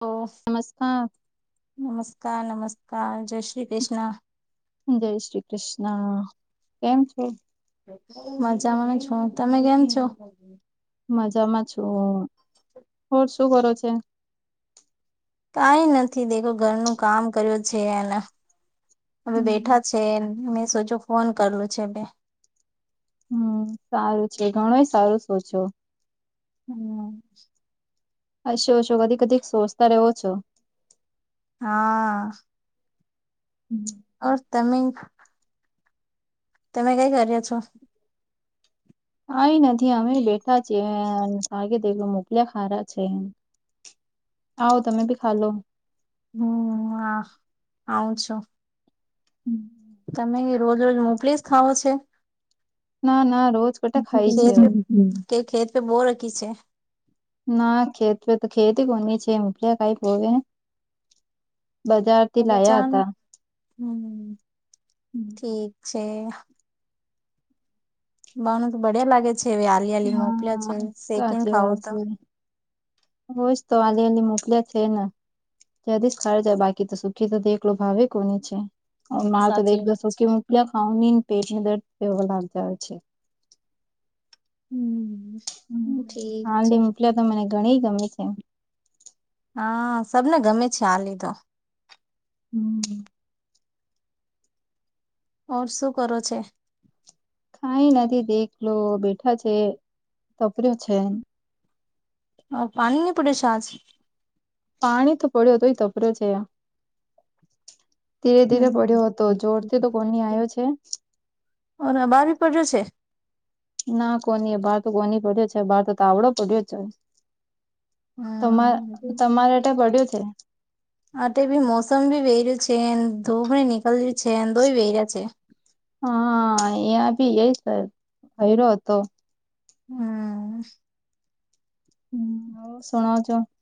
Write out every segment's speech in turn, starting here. Of. નમસ્કાર. નમસ્કાર નમસ્કાર, જય શ્રી કૃષ્ણા. જય શ્રી કૃષ્ણા, કેમ છો? મજામાં છું તમે કેમ છો? મજામાં છું હોર શું કરો છે? કાઈ નથી દેખો ઘરનું કામ કર્યું છે એના. હવે હમ બેઠા છે મેં સોચો ફોન કરલું છે બે. હમ, સારું છે ઘણોય સારું સોચો. હમ. શો શો કદી કદી સોચતા રેવો છો. હા. હમ. ઓર તમે. તમે કઈ કર્યા છો. કઈ નથી અમે બેઠા છીએ મોકલ્યા હારા છે. આવો તમે બી ખાલો. હમ હા, આવ છો. હમ. તમે રોજ રોજ મોકલીસ ખાવો છે ના ના રોજ કટા ખાય છે [unintelligible] હમ, તે ખેત તો બોરકી છે. ના ખેત તો ખેતી કોની છે [unintelligible] તો બજારથી લાયા બચાન હતા. હમ ઠીક છે. મનેતો બડિયા લાગે છે, હવે આલી આલી મોકલ્યા છે, હા શેકીને ખાવોતો. હોયશ તોઆ એલી મોકલ્યા છેના. ત્યાંથી જ ખ જાય બાકી તો સુખી થ એકલો ભાવે કોની છે. મારે તો દ સાચી વાત છે દસો કે મોકલ્યા ખાવા ને પેટને દર્દ પવા લાગતા હોય છે. હમ. ઠીક છે હાડી મોકલ્યા તો મને ઘણી ગમી છે. હા, સબને ગમે છે આની તો. હમ. ઓર શું કરો છે? કાઈ નથી દેખલો બેઠા છે તપર્યું છે. [unintelligible] પાણી તો પડ્યો તોય તપરો છે. ધીરે ધીરે પડ્યો હમ હતો જોરથી તો કોણની આયો છે. ઓના બારી પડ્યો છે. ના કોની બાર તો કોની પડ્યો છે બાર તો તાવડો પડ્યો છે. તમાર હમ તમારે પડ્યું છે. આટેભી મોસમ ભી વહી રહ્યું છે, ધૂપની નીકલ્યુ છે. અંધો વહી રહ્યા છે. હા, એબીએ હયરો હતો. હમ. હું હ શુંણાવજો.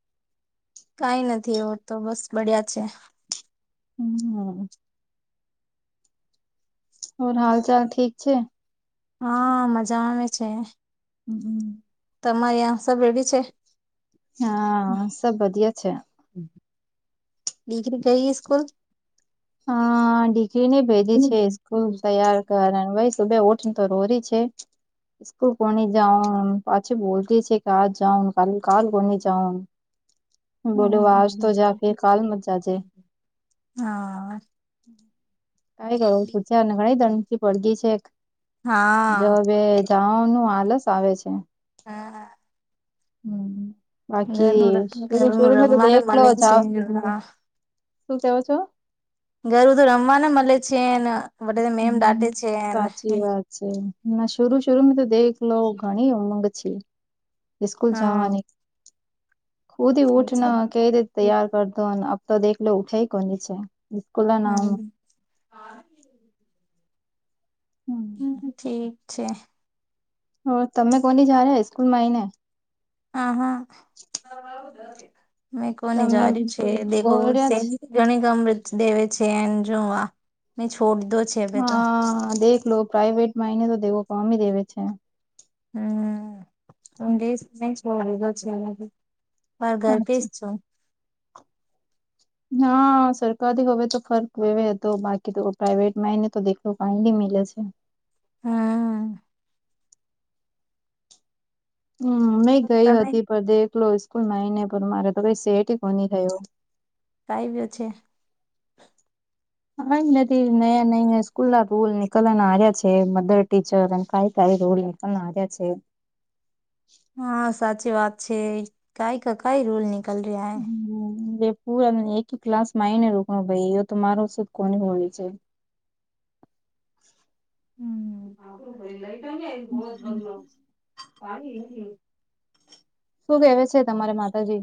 કાંઈ નથી એવો તો બસ બડિયા છે. હું. હોર હાલ ચાલ ઠીક છે? હા, મજા આવે છે. [unintelligible] તમારી આંસ ભેડી છે. હા, સબ બધિયા છે. ડિગ્રી કઈ સ્કૂલ? હા, ડિગ્રી ને ભેજે છે, સ્કૂલ તૈયાર. કારણ ભાઈ સુબે ઉઠ નેતો હોરી છે. સ્કુલ કોને જાઉન પાછી બતી છે, કે આજ જાન કાલ કાલ કોને જાઉન. [inaudible] બોલો આજ તોજા ફેર કાલ મત જાજે. હા. કંઈ કરો છૂઠને ઘણી દંથી પડગી છે. હા જોબે જાવાનું આલસ આવે છે. હા હું બાકી ઘરનું ઘરનું શરૂ મેં તો રમવાને દેખલો મળે જાઓ. છે હા શું કેવો છો? ઘરું તો રમવાને મલે છે, નેમ હમ દાટે છે. સાચી વાત ના શરૂ શરૂમાં તો દેખલો ઘણી ઉમંગ છે. સ્કૂલ હા જવાની. ખુદ ઉઠ ના કંઈ રીતે તૈયાર કરતો અતો દેખલો ઉઠે કોણ નીચે. સ્કૂલ ના આવું. હમ. હમ્મ, ઠીક છે. અહ તમે કોની જારે, સ્કૂલમાં આવીઈ ને. હા, હા મેં કોની તમે જાયું છે, દેખો બોલ્યા જ સેમ ઘણી અમૃત દેવે છે, એમ જોવા મેં છોડ દોજ. હા, દેખલો પ્રાાઈવેટમાં એને તો દેવો કમ દેવે છે. હમ, [unintelligible] બર્ગર પીસ સાચી છું. હા, સરકારી હવે તો ફર્ક વેવે તો બાકી તો પ્રાઇવેટમાં એને તો દે તો કાંડી મીલે છે. હા. હું મે ગઈ તમે હતી, પણ દેખલો સ્કૂલમાં આવીઈને પણ મારે તો કંઈ સેટ કોન થયો. કાંઈ બીઅ છે. હા નથી નયા નયા સ્કૂલ ના રોલ નીકળવાના આયા છે, મધર ટીચર અને કાય તારી રોલ નીકળી. હું આવીયા છેે. હા, સાચી વાત છે, કંઈ કાય કંઈ રોલ નિકલ રહ્યા હે. પૂરા એક ક્લાસ માયને રોકનોભાઈ એ તો મારો શધ કોની હોલી છે. [unintelligible] શું કેવે છે, તમારે માતાજી?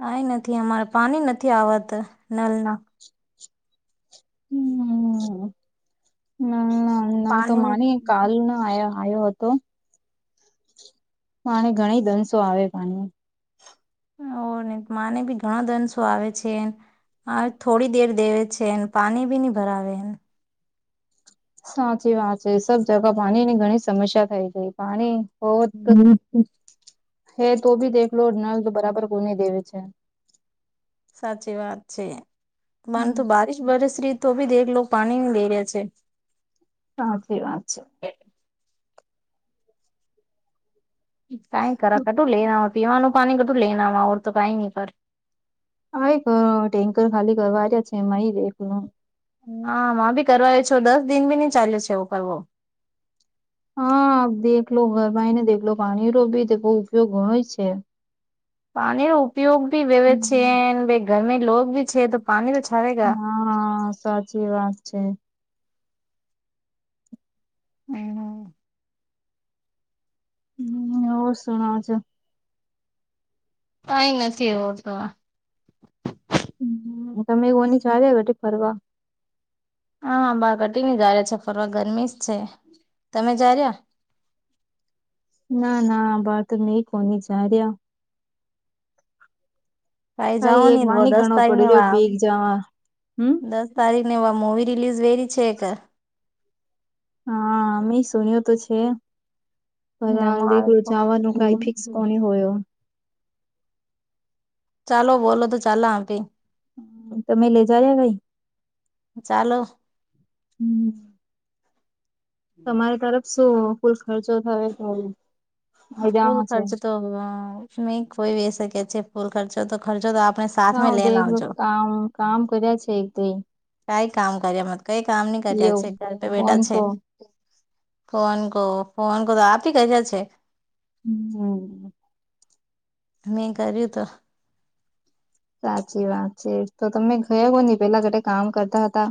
કંઈ નથી, અમારે પાણી નથી આવતું નલના. હું. હું ના તો માની પાણી કાલનો આવ્યો હતો. અને ઘણા દંશો આવે પાણી ઓ ને માને બી ઘણો દંસો આવે છે એ હા, થોડી દેર દેવે છે એને પાણી ભી નહી ભરાવે સાચી વાત છે. સબ જગા પાણીની ઘણી સમસ્યા થઈ ગઈ, પાણી ઓ હે તો ભી દેખલો, નલ તો બરાબર કોુને દેવે છે સાચી વાત છે. માને હમ તો બારિશ બરસરી તો બી દેખલો પાણી લઈ ર્યા છે સાચી વાત છે. કઈ કરા કટું લેના વા પીવાનું પાણી, કટું લેના વા તો કઈ ન કર [unintelligible] કર ટેન્કર ખાલી કરવા છે એમાં [unintelligible] હા, માં ભી કરવા આવ છો દસ દિન ભી નઈ ચાલે છે એવો કરવો હા, દેખલો ઘરમાં આઈ ને દેખલો, પાણીનો બી બહ ઉપયોગ હોય છે. પાણીનો ઉપયોગ ભી વેવે છે ને ઘરમે લોગ ભી છે તો પાણી તો છાવેગા હા, સાચી વાત છે. હમ્મ. [unintelligible] કઈ નથી એવું તો તમે એવોની ચાલ્યા [unintelligible] ફરવા હા હા બાર કટી ની જ્યારે છે ફરવા, ગરમી જ છે તમે જાર્યા? ના ના આ વા તો નહી કોની જા રહ્યા. કઈ જાઓ કાઈ એક નહી વા ન દસ ગણવો તારીખને પડ્યો રહ, ભીગ જવા હમ્મ તારી ને વા મૂવી રિલીઝ વેરી છે કે? હા, મે સુન્યું તો છે. પર હાલ ધમાલ દખ રોજાવા ન કઈ ફિકસ કોણ હોયો. ચાલો બોલો તો ચાલ આપ ભી. તમે લઈ જાલ્યા કઈ? ચાલો. હમ્મ. તમારી તરફ શું ફૂલ ખર્ચો થયો તો ફૂલ મજામાં છે. ખર્ચો તો, મેં કોઈ બે શકે છે ફૂલ ખર્ચો તો ખર્ચો તો આપણે સાથ મે હા, લેને [unintelligible] આવજો કામ, કામ કર્યા છે એક દોઈ કઈ કામ કર્યા મત, કઈ કામની કર્યા એવું છે, ઘર પે ફોન બેટા છે. કો ફોન કો, ફોન કો તો આપી ક છે. હમ્મ, હમ્મ. મેં કર્યું તો સાચી વાત છે તો તમે ગયા કોની પેલા ઘ કામ કરતા હતા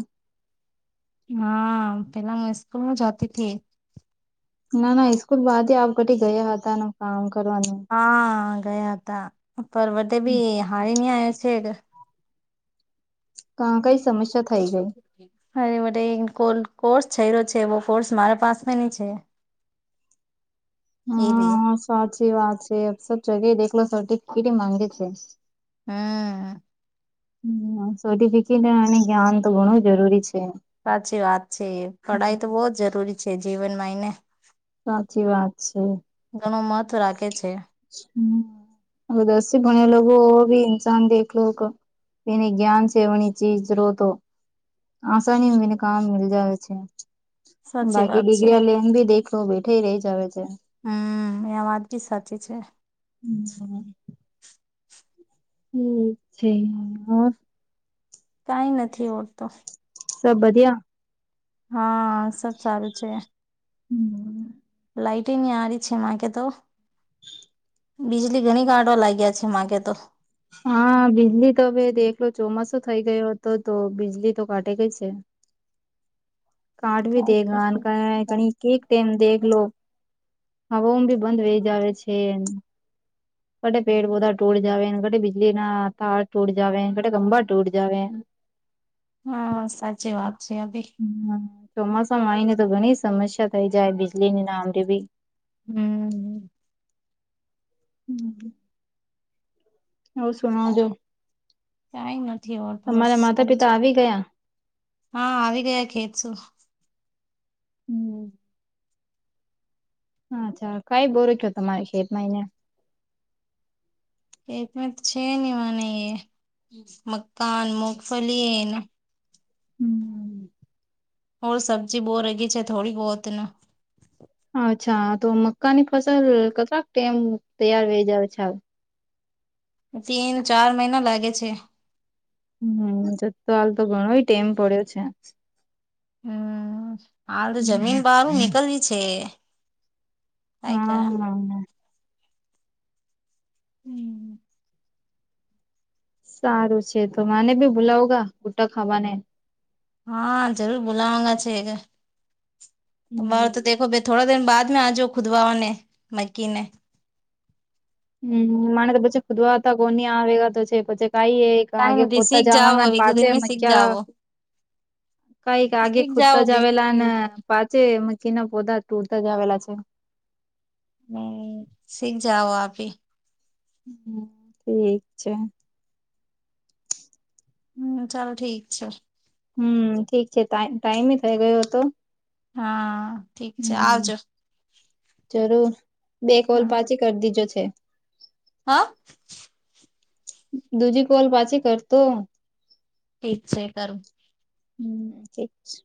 હા પેલા હું સ્કૂલમાં જતી થી ના ના ઇસ્કૂલ બાદ આપ ઘઢ ગયા હતાનું કામ કરવાનું. હા ગયા હતા પર બે બી હારી ન આવ્યો છે ક કઈ સમસ્યા થઈ ગઈ હરે મ કોર્સ છે્યો છે એવો કોર્સ મારા પાસે નની છે એલી્યા સા છેી વા છે સબ જગ્યા દેખલો સર્ કેટલી માંગે છે હમ સર્ટિફિકેટ એને જ્ઞાન તો ઘણું જરૂરી છે સાચી વાત છે પઢાઈ તો બહુ જ જરૂરી છે જીવનમાં એને સાચી વાત છે ઘણું મહત્વ રાખે છે હ ઉદસથી બને લોકો ભી ન્સાન દેખલો. પની ગ્ઞાન સેવણી છેી શ્રોતો. આસની બીને કામ મલ જવે છે. સાચી બાકી વાત છે ડિગ્રી લેન ભી દેખો બેઠા રહી જવે છે. હમ એ વાત ભી સાચી છે. હમમ.. છે હ કઈ નથી ઓડતો. સબ વધિયા. હા સબ સારું છે. હમ.. લાઈટ નની હારી છે માકે તો. બીજળલી ઘણી કાઢવા લાગ્યા છે મામાંગે તો. હા બીજળ તો હવે દેખલો ચોમાસો થઈ ગયો હતો તો બીજળ તો કાટેાઈ ગઈ છે. [inaudible] કારાડ ભી દેગ કણી કેક ટમ દેખ લો. હ હોોમ ભી બંધ વહી જ આવે છે. કટ પેડ પૌધા ટૂટ જવે કટ બિજલી ના તાર ટૂટ જવે કટ ખંભા ટૂટ જવે. હા સાચી વાત છે અભી. ચોમાસામાં આવીયને તો ઘણી સમસ્યા થઇ જાય બીજળી ની ના આમરેે બી. હમ.. હમ.. હવ સોનાઓ જોું. કઈ નથી આવડ તો બસ માતા આવી પિતા ગયા હા આવી ગયા ખેતસું. હમ.. હાછા કઈ બોર ક તમારી શત મહિને. ખેતમે તો છે ને મને મક્કા, મુગફલી. હમ. ઓ સબ્જી બહુ રગી છે થોડી બહતને. અચ્છા તો મક્કાની ફસલ કેટલાક ટમ તૈયાર રહી જાવ છેાલ. તીન ચાર મહિના લાગે છે. હમ જ તો હાલ તો બણય ટાઈમ પડે છે. હમ્મ હાલ તો જમીન બહારુ નીકળવી છે. કઈ કરા હા. હમ્મ. સારું છે તો મને બી ભોલાવગા બુટ્ટા થવાની. હા જરૂર બોલાવાગા છે કેર તો દેખો ભ થોડા. દ બાદ મે આજો ખુદવાઓને મકી ને. હમ માને તો પછી ખુદવા હતા કોની આવે તો છે પછી કઈ. આગે નથી પોતા શીખ જાઓ જવાગા એક દો પાછ દિન મે શીખ ક્યા જાઓ કઈક આગે શીખ જાઓ ખુદતા દી જાવેલા અને. પાચે મકીના પોધા તૂરતા જ આવેલા છે. હમ શી જાઓ આપી. હમ્મ ઠીક છે. હમ્મ ચાલો ઠીક છે. હમ્મ ઠીક છે ટાઈમ ટાઈમે થઈ ગયો હતો. હા ઠીક છે હમ્મ આવજો જરૂર બે હ કોલ પાછી કરી દીજો છે. હા. દુજી કોલ પાછી કરતો. ઠીક છે કરું. હમ્મ ઠીક છે.